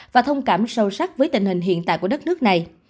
và thông cảm sâu sắc với tình hình hiện tại của đất nước này